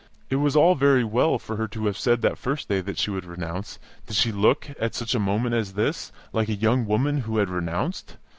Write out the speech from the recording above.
It was all very well for her to have said that first day that she would renounce: did she look, at such a moment as this, like a young woman who had renounced?